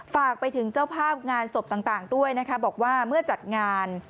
ฝากไปถึงเจ้าภาพงานศพต่างด้วยนะคะบอกว่าเมื่อจัดงาน